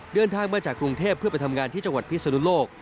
เดินทางมาจากกรุงเทพเพื่อไปทำงานที่จังหวัดพิศนุโลก